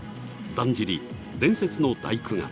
だんじり伝説の大工方。